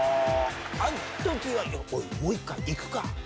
あの時は「もう１回行くか？